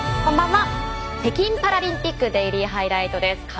北京パラリンピックデイリーハイライトです。